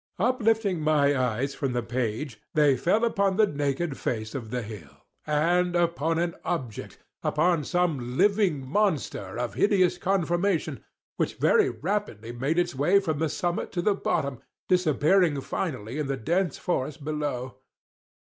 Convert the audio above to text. Uplifting my eyes from the page, they fell upon the naked face of the bill, and upon an object—upon some living monster of hideous conformation, which very rapidly made its way from the summit to the bottom, disappearing finally in the dense forest below.